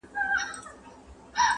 چي په ښار او په مالت کي څه تیریږي-!